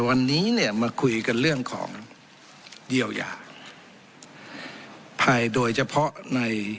วันนี้เนี่ยมาคุยกันเรื่องของเยียวยาภายโดยเฉพาะใน